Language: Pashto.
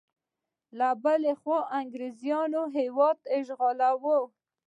له بلې خوا انګریزیان هیواد اشغالوي.